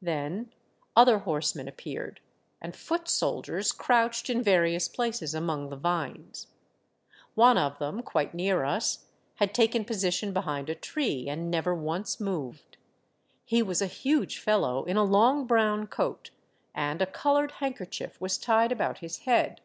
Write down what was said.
Then other horse men appeared, and foot soldiers crouched in various places among the vines. One of them, quite near us, had taken position behind a tree, and never once moved. He was a huge fellow, in a long brown coat, and a colored handkerchief was tied about his head.